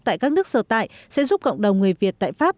tại các nước sở tại sẽ giúp cộng đồng người việt tại pháp